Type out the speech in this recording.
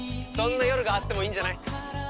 そんな夜があってもいいんじゃない？